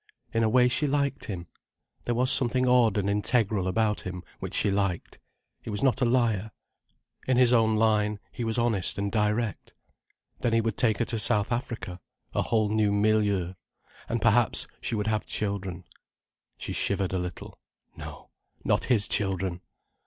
In a way, she liked him. There was something odd and integral about him, which she liked. He was not a liar. In his own line, he was honest and direct. Then he would take her to South Africa: a whole new milieu. And perhaps she would have children. She shivered a little. No, not his children!